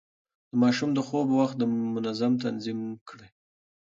د ماشوم د خوب وخت منظم تنظيم کړئ.